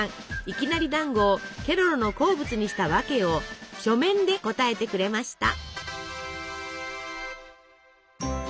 いきなりだんごをケロロの好物にした訳を書面で答えてくれました。